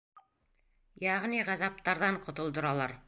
Йәғни ғазаптарҙан ҡотолдоралар.